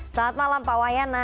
selamat malam pak wahyana